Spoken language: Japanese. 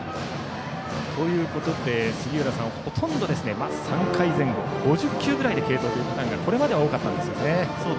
杉浦さん、ほとんど３回前後５０球ぐらいで継投というパターンがこれまでは多かったんですよね。